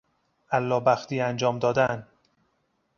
اللهبختی انجام دادن